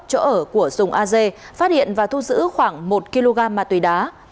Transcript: chỗ ở của sùng ag phát hiện và thu giữ khoảng một kg ma tuý đá